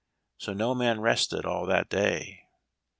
So no man rested all that day.